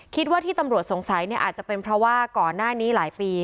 คิดว่าที่ตำรวจสงสัยเนี่ยอาจจะเป็นเพราะว่าก่อนหน้านี้หลายปี